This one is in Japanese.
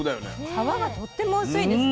皮がとっても薄いですね。